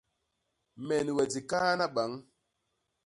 Me ni we di kaana bañ!